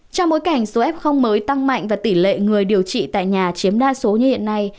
trong bối cảnh số f mới tăng mạnh và tỷ lệ người điều trị tại nhà chiếm đa số như hiện nay